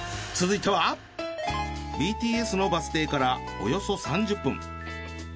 続いてはＢＴＳのバス停からおよそ３０分。